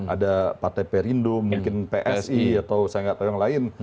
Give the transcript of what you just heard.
ada partai perindo mungkin psi atau saya nggak tahu yang lain